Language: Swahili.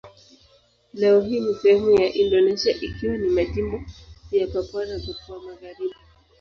Leo hii ni sehemu ya Indonesia ikiwa ni majimbo ya Papua na Papua Magharibi.